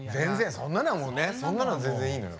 そんなのは全然いいのよ。